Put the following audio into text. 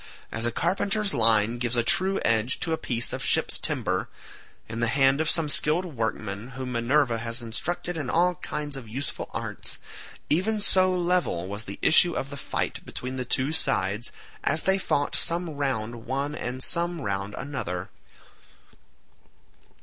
As a carpenter's line gives a true edge to a piece of ship's timber, in the hand of some skilled workman whom Minerva has instructed in all kinds of useful arts—even so level was the issue of the fight between the two sides, as they fought some round one and some round another.